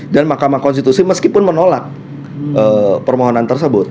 dan makamah konstitusi meskipun menolak permohonan tersebut